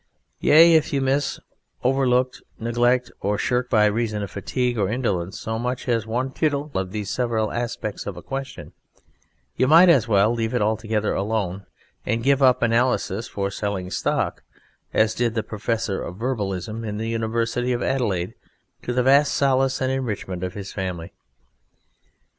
Yea, if you miss, overlook, neglect, or shirk by reason of fatigue or indolence, so much as one tittle of these several aspects of a question you might as well leave it altogether alone and give up analysis for selling stock, as did the Professor of Verbalism in the University of Adelaide to the vast solace and enrichment of his family.